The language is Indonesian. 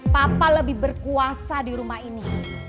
papa lebih berkuasa di rumah ini